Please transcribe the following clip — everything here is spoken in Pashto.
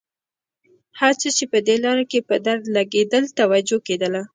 هر څه چې په دې لاره کې په درد لګېدل توجه کېدله.